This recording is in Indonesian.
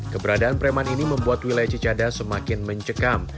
keberadaan preman ini membuat wilayah cicada semakin mencekam